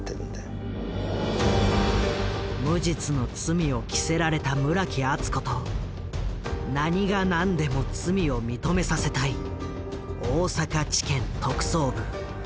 無実の罪を着せられた村木厚子と何が何でも罪を認めさせたい大阪地検特捜部。